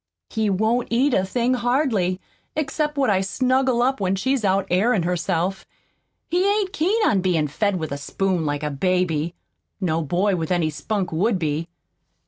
He won't eat a thing hardly, except what I snuggle up when she's out airin' herself. He ain't keen on bein' fed with a spoon like a baby. No boy with any spunk would be."